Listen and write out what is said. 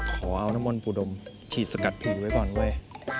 ขอเอาน้ำมนตุดมฉีดสกัดผิวไว้ก่อนเว้ย